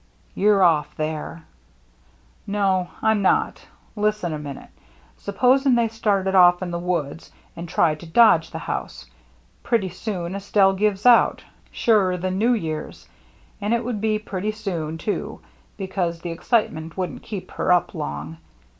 " You're ofF there." " No, Tm not. Listen a minute. Suppos ing they started off in the woods and tried to dodge the house. Pretty soon Estelle gives out — surer than New Year's. And it would be pretty soon, too, because the excitement wouldn't keep her up long.